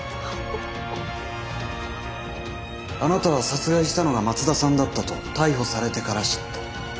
あなたは殺害したのが松田さんだったと逮捕されてから知った。